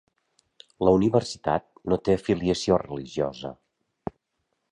La universitat no té afiliació religiosa.